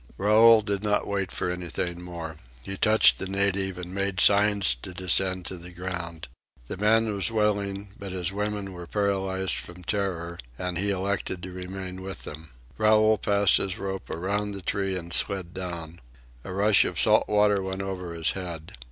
Raoul did not wait for anything more. He touched the native and made signs to descend to the ground. The man was willing, but his women were paralyzed from terror, and he elected to remain with them. Raoul passed his rope around the tree and slid down. A rush of salt water went over his head.